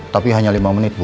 tapi hanya lima menit